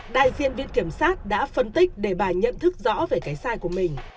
đại diện viện kiểm sát đã phân tích để bà nhận thức rõ về cái sai của mình